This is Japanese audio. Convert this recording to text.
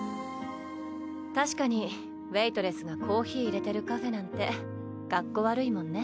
確かにウエートレスがコーヒーいれてるカフェなんてかっこ悪いもんね。